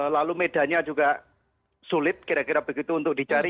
lalu medanya juga sulit kira kira begitu untuk dicari